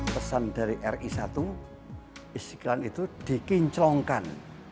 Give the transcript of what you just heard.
pesan dari ri satu istiqlal itu dikinclongkan